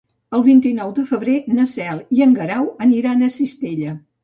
El vint-i-nou de febrer na Cel i en Guerau aniran a Cistella.